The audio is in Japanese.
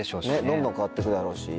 どんどん変わって行くだろうし。